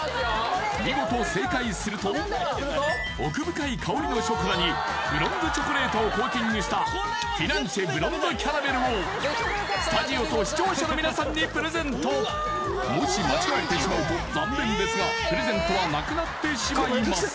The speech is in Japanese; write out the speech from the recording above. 見事正解すると奥深い香りのショコラにブロンドチョコレートをコーティングしたフィナンシェブロンドキャラメルをもし間違えてしまうと残念ですがプレゼントはなくなってしまいます